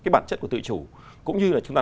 bản chất của tự chủ cũng như chúng ta